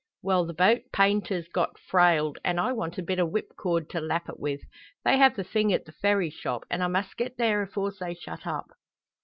"Well, the boat's painter's got frailed, and I want a bit o' whipcord to lap it with. They have the thing at the Ferry shop, and I must get there afores they shut up."